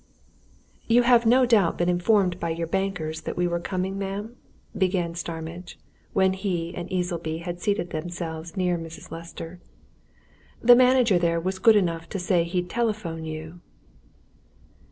"You have no doubt been informed by your bankers that we were coming, ma'am?" began Starmidge, when he and Easleby had seated themselves near Mrs. Lester. "The manager there was good enough to say he'd telephone you."